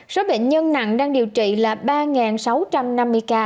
số bệnh nhân nặng đang điều trị là ba sáu trăm năm mươi ca